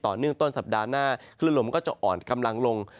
เนื่องต้นสัปดาห์หน้าคลื่นลมก็จะอ่อนกำลังลง